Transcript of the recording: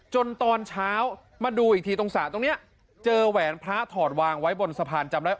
ตอนเช้ามาดูอีกทีตรงสระตรงนี้เจอแหวนพระถอดวางไว้บนสะพานจำได้